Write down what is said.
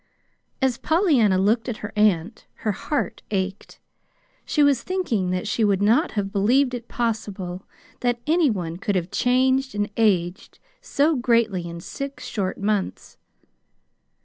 As Pollyanna looked at her aunt, her heart ached. She was thinking that she would not have believed it possible that any one could have changed and aged so greatly in six short months.